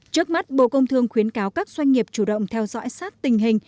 trước mắt bộ công thương khuyến cáo các doanh nghiệp chủ động theo dõi sát tình hình